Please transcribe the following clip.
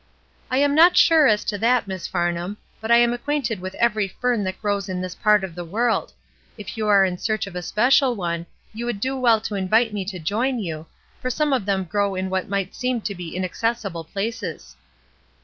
"I am not sure as to that. Miss Farnham, but I am acquainted with every fern that grows in this part of the world; if you are in search of a special one you would do well to invite me to join you, for some of them grow in what nught seem to be inaccessible places."